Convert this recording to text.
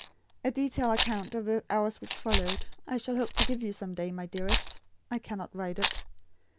A detailed account of the hours which followed, I shall hope to give you some day, my dearest. I cannot write it.